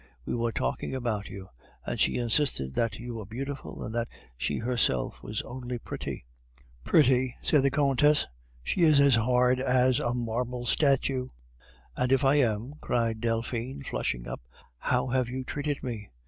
We were talking about you, and she insisted that you were beautiful, and that she herself was only pretty!" "Pretty!" said the Countess. "She is as hard as a marble statue." "And if I am?" cried Delphine, flushing up, "how have you treated me?